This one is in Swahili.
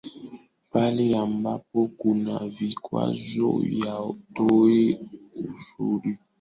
Pale ambapo kuna vikwazo watoe ushauri ili sheria ziweze kurekebishwa